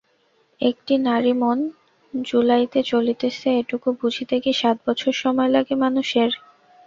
একটি নারী মন জুলাইতে চাহিতেছে এটুকু বুঝিতে কি সাতবছর সময় লাগে মানুষের?